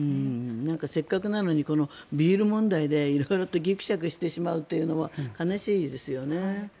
せっかくなのにビール問題で色々ぎくしゃくしてしまうというのも悲しいですよね。